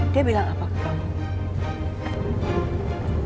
dia bilang apa ke kamu